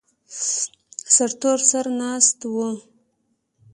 سرتور سر ناست و.